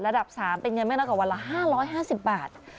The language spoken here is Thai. ระดับ๓เป็นเงินไม่น้อยกว่าวันละ๕๕๐บาท